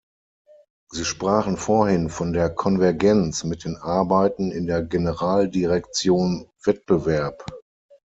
Sie sprachen vorhin von der Konvergenz mit den Arbeiten in der Generaldirektion Wettbewerb.